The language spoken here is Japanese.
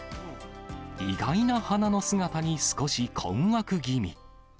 意外な花の姿に、少し困惑気味。